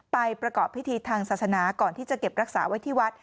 ประกอบพิธีทางศาสนาก่อนที่จะเก็บรักษาไว้ที่วัด